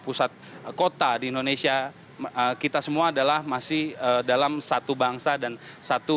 pusat kota di indonesia kita semua adalah masih dalam satu bangsa dan satu